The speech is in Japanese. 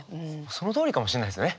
そのとおりかもしれないですね。